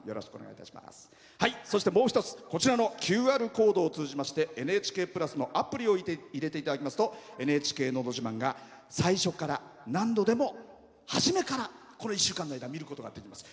そして、もう一つＱＲコードを通じてまして「ＮＨＫプラス」のアプリを入れていただきますと「ＮＨＫのど自慢」が始めから、この１週間の間見ることができます。